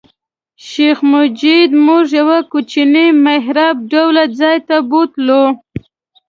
شیخ مجید موږ یو کوچني محراب ډوله ځای ته بوتلو.